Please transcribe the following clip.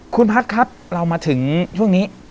คุณพัฒน์ครับเรามาถึงช่วงนี้